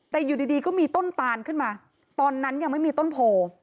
แต่อยู่ดีก็มีต้นตานขึ้นมาตอนนั้นยังไม่มีต้นโพ